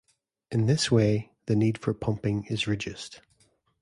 In this way, the need for pumping is reduced.